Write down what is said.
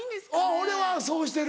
俺はそうしてる。